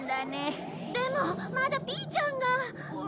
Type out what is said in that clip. でもまだピーちゃんが。